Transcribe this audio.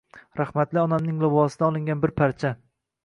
«rahmatli onamning libostsdan olingan bir parcha...»